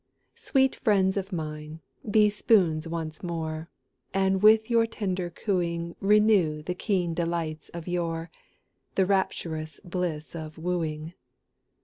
Sweet friends of mine, be spoons once more, And with your tender cooing Renew the keen delights of yore The rapturous bliss of wooing.